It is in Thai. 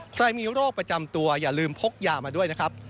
ใครมีโรคประจำตัวอย่าลืมพกยามาด้วยนะครับ